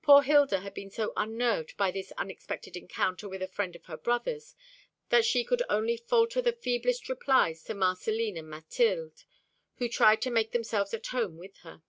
Poor Hilda had been so unnerved by this unexpected encounter with a friend of her brother's that she could only falter the feeblest replies to Marcelline and Mathilde, who tried to make themselves at home with her.